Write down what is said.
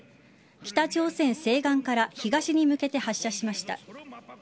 北朝鮮西岸から東に向けて発射しました。